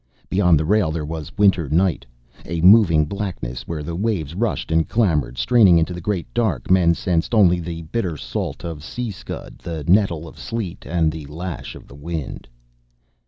Beyond the rail there was winter night, a moving blackness where the waves rushed and clamored; straining into the great dark, men sensed only the bitter salt of sea scud, the nettle of sleet and the lash of wind.